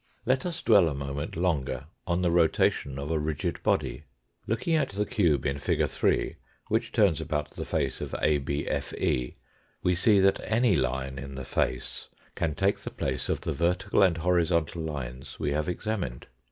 Let us dwell a moment longer on the rotation of a rigid body. Looking at the cube in fig. 3, which turns about RECAPITULATION AND EXTENSION 215 the face of ABFE, we see that any line in the face can take the place of the vertical and horizontal lines we have examined.